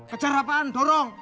kejar apaan dorong